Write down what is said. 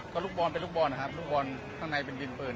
ก็ลูกบอลเป็นลูกบอลนะครับลูกบอลข้างในเป็นดินปืน